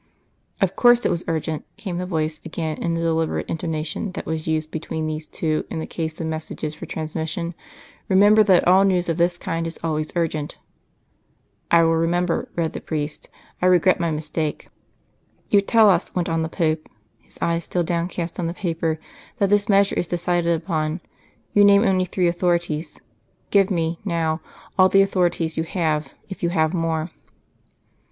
"Of course it was urgent," came the voice again in the deliberate intonation that was used between these two in the case of messages for transmission. "Remember that all news of this kind is always urgent." "'I will remember,' read the priest. 'I regret my mistake.'" "You tell us," went on the Pope, His eyes still downcast on the paper, "that this measure is decided upon; you name only three authorities. Give me, now, all the authorities you have, if you have more."